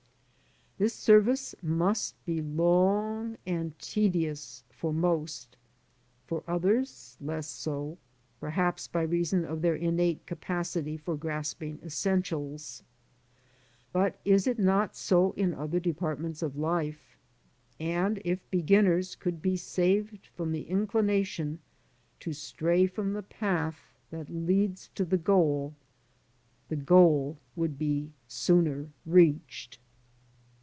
This service must be long and tedious for most; for others, less so, perhaps by reason of their innate capacity for grasping essentials. But is it not so in other departments of life ? And if beginners could be saved from the inclination to stray from the path that leads to the goal, the goal would be sooner reached.